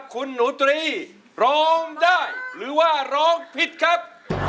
คุณหนูตรีร้องได้หรือว่าร้องผิดครับ